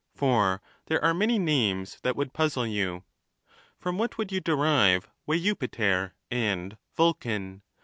for there are many names would puzzle you. From what would you derive Vejupiter and Vulcan